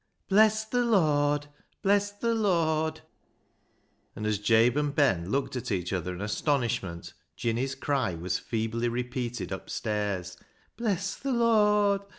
Bless th' Lord ! Bless th' Lord !" And, as Jabe and Ben looked at each other in astonishment, Jinny's cry was feebly repeated upstairs —" Bless th' Lord